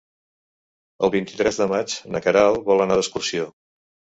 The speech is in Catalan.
El vint-i-tres de maig na Queralt vol anar d'excursió.